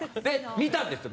見たんですよ。